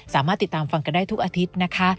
สามารถติดตามฟังกันได้ทุกอาทิตย์นะคะ